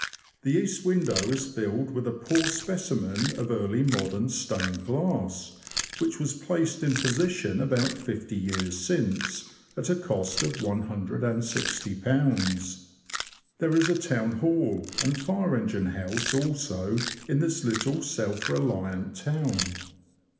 The east window is filled with a poor speci men of early modern stained glass, which was placed in position about fifty years since, at a cost of ;£i6o. There is a Town Hall and fire engine house also in this little self reliant town.